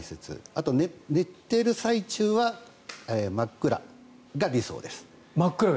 あとは寝ている最中は真っ暗が理想です。